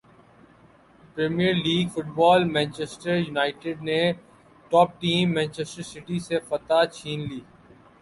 premier league football Manchester United نے top team Manchester City سے فتح چھین لی